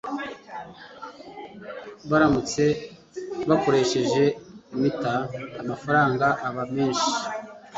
baramutse bakoresheje Meter amafaranga aba menshi